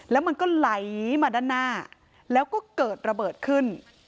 แล้วมันก็ไหลมาด้านหน้าแล้วก็เกิดระเบิดขึ้น